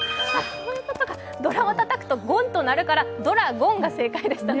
そういうことか、ドラをたたくとゴンとなるから、ドラゴンが正解でしたね。